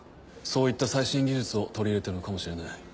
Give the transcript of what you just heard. そういった最新技術を取り入れてるのかもしれない。